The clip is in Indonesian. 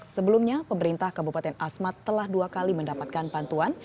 sebelumnya pemerintah kabupaten asmat telah dua kali mendapatkan bantuan